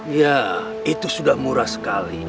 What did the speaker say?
ya itu sudah murah sekali